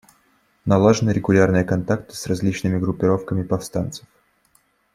Налажены регулярные контакты с различными группировками повстанцев.